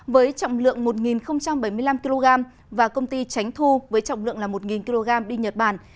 với trọng lượng một bảy mươi năm kg và công ty tránh thu với trọng lượng một kg đi nhật bản